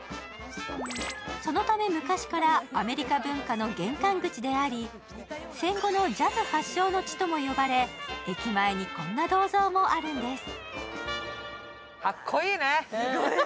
そのため、昔からアメリカ文化の玄関口であり、戦後のジャズ発祥の地とも呼ばれ駅前にこんな銅像もあるんです。